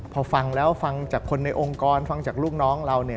พอฟังแล้วฟังจากคนในองค์กรฟังจากลูกน้องเรา